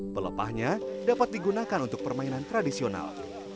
pelepahnya dapat digunakan untuk permainan tradisional